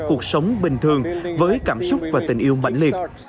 cuộc sống bình thường với cảm xúc và tình yêu mạnh liệt